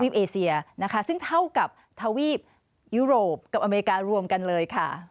เอเซียนะคะซึ่งเท่ากับทวีปยุโรปกับอเมริการวมกันเลยค่ะ